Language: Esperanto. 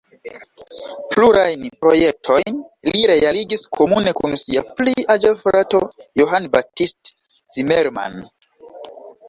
Plurajn projektojn li realigis komune kun sia pli aĝa frato Johann Baptist Zimmermann.